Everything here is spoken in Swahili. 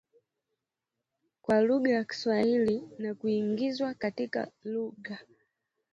kwa lugha ya Kiswahili na kuingizwa katika lugha